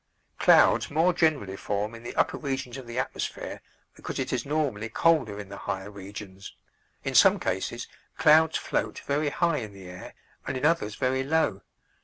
Clouds more generally form in the upper regions of the atmosphere because it is normally colder in the higher regions. In some cases clouds float very high in the air and in others very low.